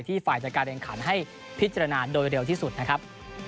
ฝ่ายจัดการแข่งขันให้พิจารณาโดยเร็วที่สุดนะครับ